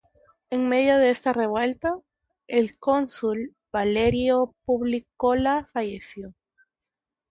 En medio de esta revuelta, el cónsul Valerio Publícola falleció.